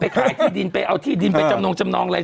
ไปขายที่ดินไปเอาที่ดินไปจำนอง